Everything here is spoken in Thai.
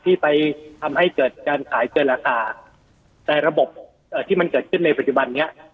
ที่ไปทำให้เกิดการขายเกินราคาแต่ระบบเอ่อที่มันเกิดขึ้นในปัจจุบันนี้